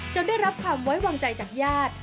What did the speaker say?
ได้รับความไว้วางใจจากญาติ